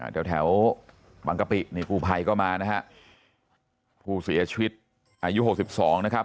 แถวแถวบางกะปินี่กูภัยก็มานะฮะผู้เสียชีวิตอายุหกสิบสองนะครับ